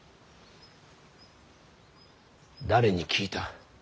誰に聞いた。